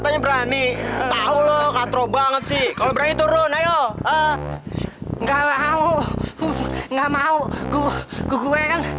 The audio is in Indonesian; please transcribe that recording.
aduh mampus gue mampus